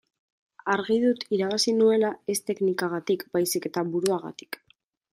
Argi dut irabazi nuela ez teknikagatik baizik eta buruagatik.